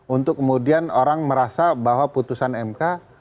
untuk kemudian orang merasa bahwa putusan mk